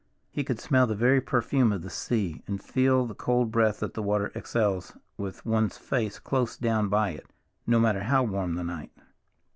He could smell the very perfume of the sea, and feel the cold breath that the water exhales with one's face close down by it, no matter how warm the night.